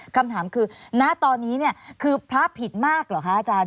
คำถามคือณตอนนี้เนี่ยคือพระผิดมากเหรอคะอาจารย์